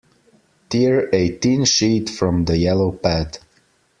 Tear a thin sheet from the yellow pad.